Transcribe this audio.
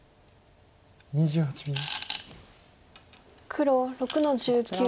黒６の十九。